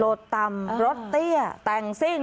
ต่ำรถเตี้ยแต่งซิ่ง